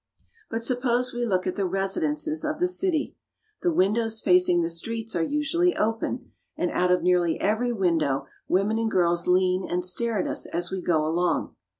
But suppose we look at the residences of the city. The windows facing the streets are usually open, and out of nearly every window women and girls lean and stare at us as we go along.